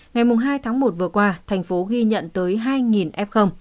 ngày hai tháng một vừa qua thành phố ghi nhận tới hai f